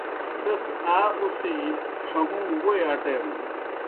سیْس آ اُڅِھجیْ ڇھہُوں ووئی اٹینَن۔